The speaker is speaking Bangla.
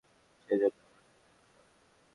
সেজন্য আমার খুব মন খারাপ।